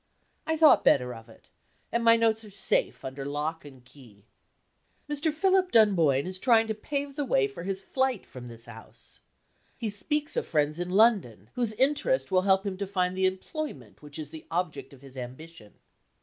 I thought better of it, and my notes are safe under lock and key. Mr. Philip Dunboyne is trying to pave the way for his flight from this house. He speaks of friends in London, whose interest will help him to find the employment which is the object of his ambition.